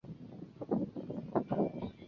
有部分平台功能并没有完全实现。